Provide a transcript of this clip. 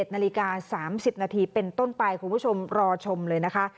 ๑นาฬิกา๓๐นาทีเป็นต้นไปคุณผู้ชมรอชมเลยนะคะ